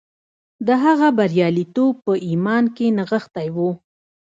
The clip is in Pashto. د هغه برياليتوب په ايمان کې نغښتی و.